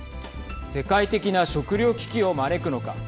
世界的な食糧危機を招くのか。